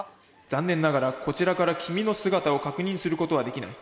「残念ながらこちらから君の姿を確認することはできない」。